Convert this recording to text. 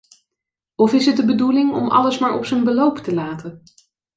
Of is het de bedoeling om alles maar op zijn beloop te laten?